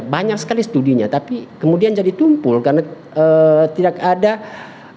banyak sekali studinya tapi kemudian jadi tumpul karena tidak ada pintu keluar yang sah gitu ya